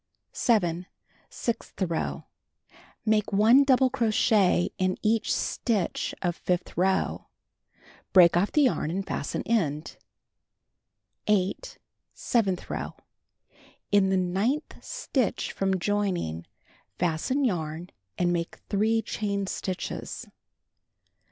7. Sixth row : Make 1 double crochet in each stitch of fifth row. Break off the yarn and fasten end. 8. Seventh row: In the ninth stitch from joining, fasten yarn and make 3 chain stitches.